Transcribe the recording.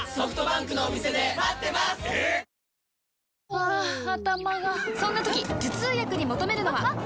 ハァ頭がそんな時頭痛薬に求めるのは？